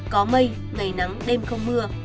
có mây ngày nắng đêm không mưa